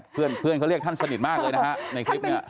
เพื่อนเขาเรียกท่านสนิทมากเลยนะฮะในคลิปนี้